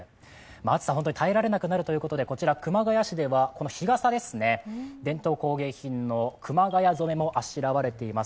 暑さ本当に耐えられなくなるということで熊谷市では日傘伝統工芸品の熊谷染もあしらわれています。